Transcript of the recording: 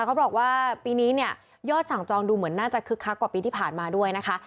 เขาบอกว่าปีนี้เนี่ยยอดสั่งจองดูเหมือนน่าจะคึกคักกว่าปีที่ผ่านมาด้วยนะคะ